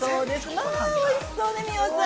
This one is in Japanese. まあおいしそうね、美穂さん。